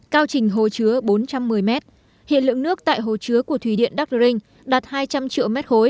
cao trình hồ chứa bốn trăm một mươi m hiện lượng nước tại hồ chứa của thủy điện đắc rinh đạt hai trăm linh triệu m ba